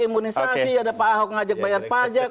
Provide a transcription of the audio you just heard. imunisasi ada pak ahok ngajak bayar pajak